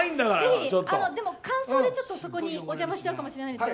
間奏でそこにお邪魔しちゃうかもしれないです。